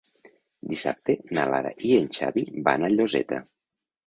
Dissabte na Lara i en Xavi van a Lloseta.